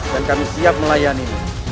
dan kami siap melayani